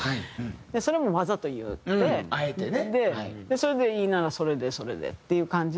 それでいいならそれでそれでっていう感じで。